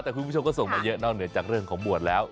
แต่คุณผู้ชมก็ส่งมาเยอะนอกเหนือจากเรื่องของบวชแล้ว